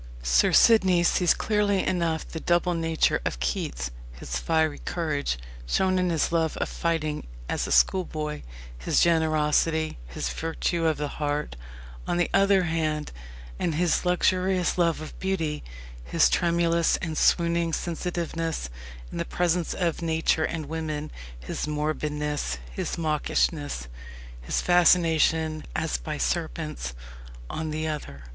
Sir Sidney sees clearly enough the double nature of Keats his fiery courage, shown in his love of fighting as a schoolboy, his generosity, his virtue of the heart, on the one hand, and his luxurious love of beauty, his tremulous and swooning sensitiveness in the presence of nature and women, his morbidness, his mawkishness, his fascination as by serpents, on the other.